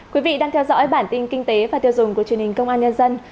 quý vị đang theo dõi bản tin kinh tế và tiêu dùng của truyền hình công an nhân dân